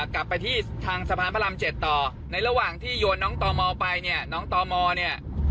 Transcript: กลับไปที่ทางสภาพพระราม๗ต่อในระหว่างที่โยนน้องต่อมอไปน้องต่อมอนี่